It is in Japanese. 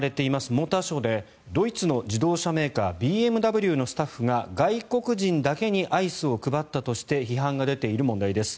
モーターショーでドイツの自動車メーカーＢＭＷのスタッフが外国人だけにアイスを配ったとして批判が出ている問題です。